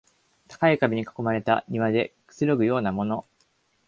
高い壁に囲まれた庭でくつろぐようなもの